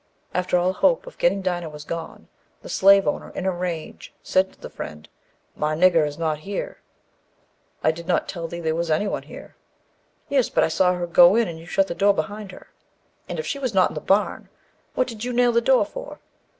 After all hope of getting Dinah was gone, the slave owner in a rage said to the Friend, "My nigger is not here." "I did not tell thee there was any one here." "Yes, but I saw her go in, and you shut the door behind her, and if she was not in the barn, what did you nail the door for?"